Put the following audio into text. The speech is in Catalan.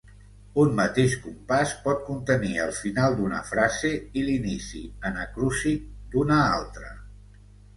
Un mateix compàs pot contenir el final d'una frase i l'inici anacrúsic d'una altra.